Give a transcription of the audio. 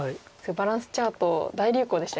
バランスチャート大流行でしたよね。